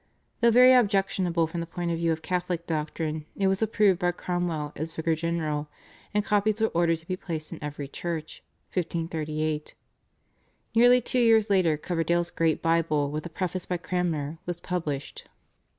Though very objectionable from the point of view of Catholic doctrine it was approved by Cromwell as vicar general, and copies were ordered to be placed in every church (1538). Nearly two years later Coverdale's "Great Bible" with a preface by Cranmer was published.